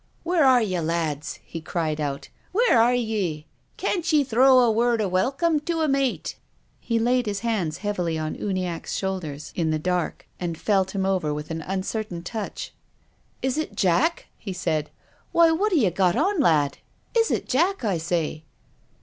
" Where are ye, lads ?" he cried out. " Where arc ye ? Can't ye throw a word of welcome to a mate ?" He laid his hands heavily on Uniacke's shoul 20 TONGUES OF CONSCIENCE. ders in the dark, and felt him over with an uncer tain touch. •' Is it Jack ?" he said. " Why, what 'a ye got on, lad ? Is it Jack, I say